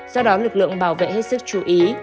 do đó lực lượng bảo vệ hết sức chú ý